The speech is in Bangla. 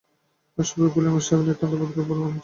সফিক বলল, ইমাম সাহেবকে নিতান্ত ভদ্রলোক বলে মনে হচ্ছে।